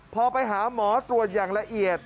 พอไปหาหมอตรวจอย่างละเอียด